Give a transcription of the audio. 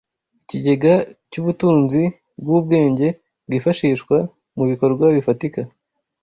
Ikigega cy’ubutunzi bw’ubwenge bwifashishwa mu bikorwa bifatika